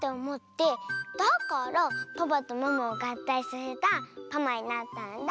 だからパパとママをがったいさせたパマになったんだ。